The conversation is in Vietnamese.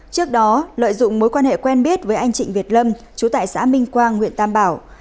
trước đó lợi dụng mối quan hệ quen biết với anh trịnh việt lâm chú tại xã minh quang huyện tam bảo